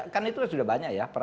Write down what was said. kan itu sudah banyak ya